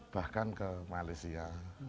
bahkan ke malaysia